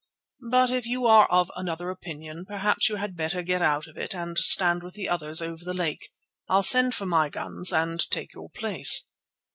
But if you are of another opinion, perhaps you had better get out of it and stand with the others over the lake. I'll send for my guns and take your place."